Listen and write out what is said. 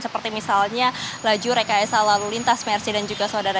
seperti misalnya lajur rksl lalu lintas merci dan juga saudara